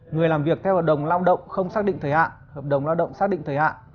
người làm việc theo hợp đồng lao động không xác định thời hạn hợp đồng lao động xác định thời hạn